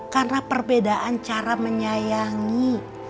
karena perbedaan cara menyayangi